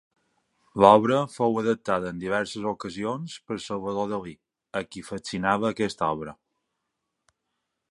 L'obra fou adaptada en diverses ocasions per Salvador Dalí, a qui fascinava aquesta obra.